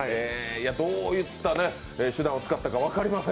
どういった手段を使ったか、全く分かりません